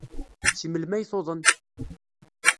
Seg melmi ay tuḍen?